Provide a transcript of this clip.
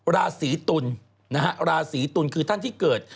ราศีตุลนะฮะราศีตุลคือท่านที่เกิด